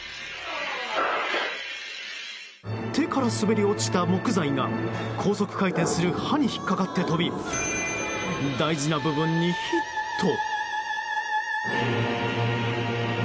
手から滑り落ちた木材が高速回転する刃に引っかかって飛び大事な部分にヒット。